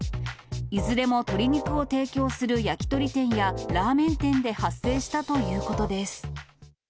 いずれも鶏肉を提供する焼き鳥店や、ラーメン店で発生したということです。